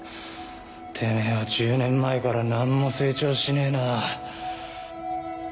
てめえは１０年前から何も成長しねえな。